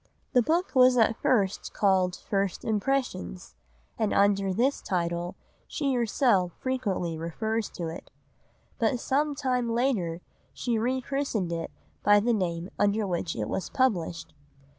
The book was at first called First Impressions, and under this title she herself frequently refers to it; but some time later she re christened it by the name under which it was published.